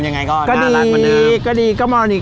ยังไงก็น่ารักมาเนิ้ม